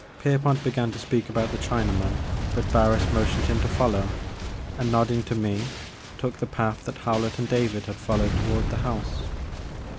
Pierpont began to speak about the Chinaman but Barris motioned him to follow, and, nodding to me, took the path that Howlett and David had followed toward the house.